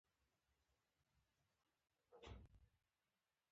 امیر عبدالرحمن خان د سولې ټینګولو تر څنګ نور کارونه هم وکړل.